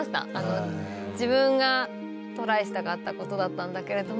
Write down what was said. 自分がトライしたかったことだったんだけれども。